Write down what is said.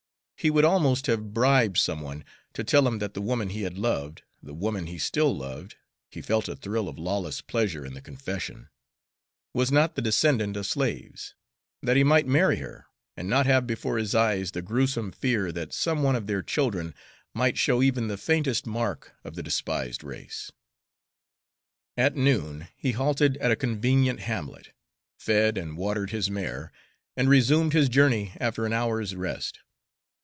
He would almost have bribed some one to tell him that the woman he had loved, the woman he still loved (he felt a thrill of lawless pleasure in the confession), was not the descendant of slaves, that he might marry her, and not have before his eyes the gruesome fear that some one of their children might show even the faintest mark of the despised race. At noon he halted at a convenient hamlet, fed and watered his mare, and resumed his journey after an hour's rest.